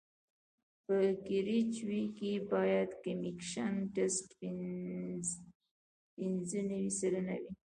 په کیریج وې کې باید کمپکشن ټسټ پینځه نوي سلنه وي